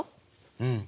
うん！